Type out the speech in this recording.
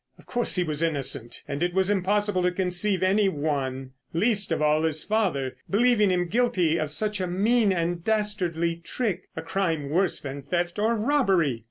Of course, he was innocent, and it was impossible to conceive anyone, least of all his father, believing him guilty of such a mean and dastardly trick. A crime worse than theft or robbery.